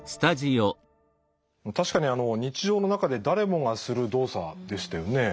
確かに日常の中で誰もがする動作でしたよね。